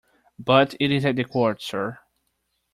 But it is at the Court, sir.